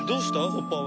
ホッパー！